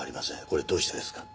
これどうしてですか？